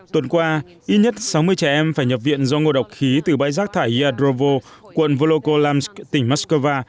tuần qua ít nhất sáu mươi trẻ em phải nhập viện do ngô độc khí từ bãi rác thải yadrovo quận volokolamsk tỉnh moscow